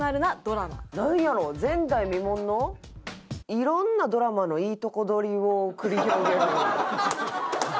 いろんなドラマのいいとこ取りを繰り広げる。